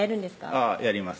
あぁやります